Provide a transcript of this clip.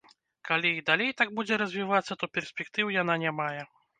Калі і далей так будзе развівацца, то перспектыў яна не мае.